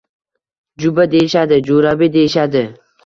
Juba deyishadi, jurabi deyishadi.